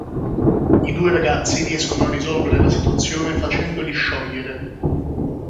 I due ragazzi riescono a risolvere la situazione facendoli sciogliere.